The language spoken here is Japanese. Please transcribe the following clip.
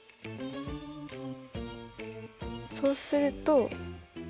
そうすると。